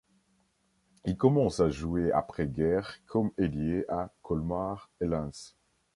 Il commence à jouer après-guerre comme ailier à Colmar et Lens.